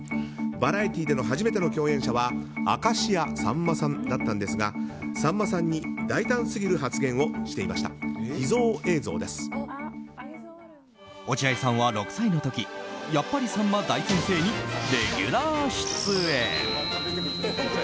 バラエティーでの初めての共演者は明石家さんまさんだったんですがさんまさんに大胆すぎる発言をしていました落合さんは６歳のころ「やっぱりさんま大先生」にレギュラー出演。